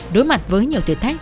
đối mặt với nhiều thử thách